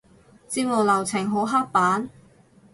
節目流程好刻板？